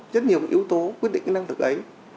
rất nhiều yếu tố quyết định cái năng lực ấy